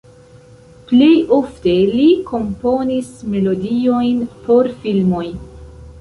Plej ofte li komponis melodiojn por filmoj.